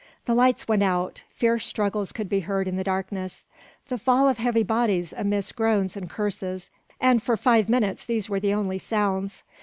The lights went out, fierce struggles could be heard in the darkness, the fall of heavy bodies amidst groans and curses, and for five minutes these were the only sounds.